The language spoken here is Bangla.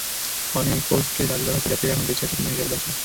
অনেক পোস্টে দাবি করা হচ্ছে, যাত্রীরা এখনো বেঁচে আছেন কিংবা নিরাপদে আছেন।